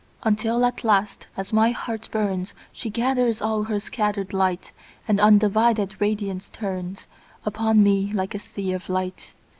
Until at last, as my heart burns, She gathers all her scatter'd light, And undivided radiance turnsUpon me like a sea of light.